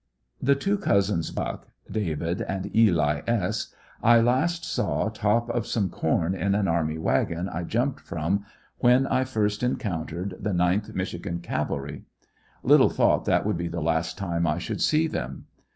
The two cousins Buck, David and Eli S., I last saw top of some corn in an army wagon I jumped from when I first encountered the 9th Mich. Cavalry. Little thought that would be the last time I should see them.